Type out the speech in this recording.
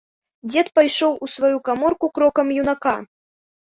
Дзед пайшоў у сваю каморку крокам юнака.